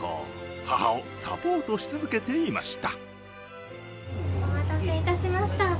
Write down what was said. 母をサポートし続けていました。